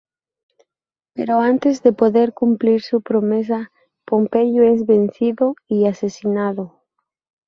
Pero antes de poder cumplir su promesa, Pompeyo es vencido y asesinado.